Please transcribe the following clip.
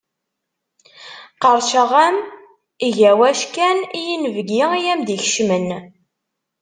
Qerrceɣ-am egg awackan i yinebgi i am-d-ikecmen.